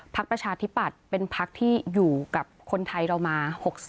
ประชาธิปัตย์เป็นพักที่อยู่กับคนไทยเรามา๖๐